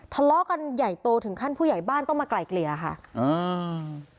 ทะเลาะกันใหญ่โตถึงขั้นผู้ใหญ่บ้านต้องมาไกลเกลี่ยค่ะอืม